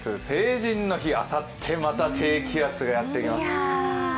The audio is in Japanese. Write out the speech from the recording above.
成人の日、あさってまた、低気圧がやってきます。